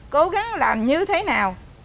cố gắng làm như thế nào